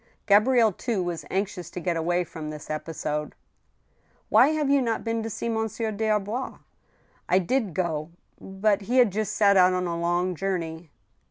Gabrielle, too, was anxious to get away from this episode. " Why have you not been to see Monsieur des Arbois ?"" I did go, .., bpt he had just set out on a long journey."